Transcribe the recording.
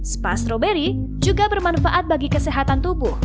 spa stroberi juga bermanfaat bagi kesehatan tubuh